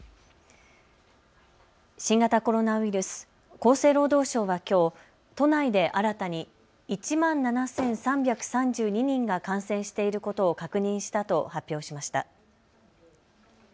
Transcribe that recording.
新型コロナウイルス、厚生労働省はきょう都内で新たに１万７３３２人が感染していることを確認したと発表しました。